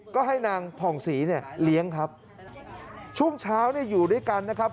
ก็ให้นางผ่องศรีเนี่ยเลี้ยงครับช่วงเช้าเนี่ยอยู่ด้วยกันนะครับ